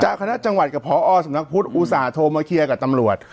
เจ้าคภธกับพอสงสัยพุธอุษาโทรมาเคลียร์กับตำรวจ